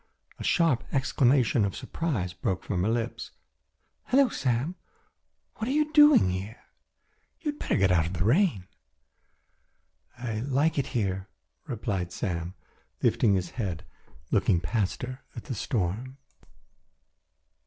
A sharp exclamation of surprise broke from her lips: "Hello, Sam! What are you doing here? You had better get in out of the rain." "I like it here," replied Sam, lifting his head and looking past her at the storm.